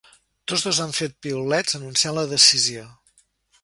Tots dos han fet piulets anunciant la decisió.